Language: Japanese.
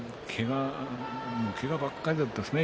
けがばっかりだったですね